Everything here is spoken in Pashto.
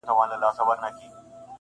ډوب سم جهاني غوندي له نوم سره-